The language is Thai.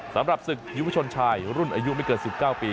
สำหรับศึกยุวชนชายรุ่นอายุไม่เกิน๑๙ปี